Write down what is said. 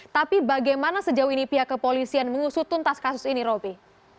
tapi bagaimana sejauh ini pihak kepolisian mengusut tuntas kasus ini roby